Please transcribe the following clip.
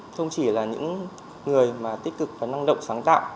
không chỉ là những người mà tích cực và năng động sáng tạo